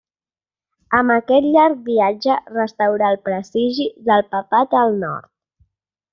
Amb aquest llarg viatge, restaurà el prestigi del papat al nord.